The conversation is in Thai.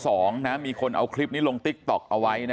มันต้องการมาหาเรื่องมันจะมาแทงนะ